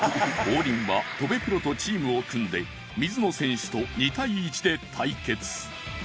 王林は戸辺プロとチームを組んで水野選手と２対１で対決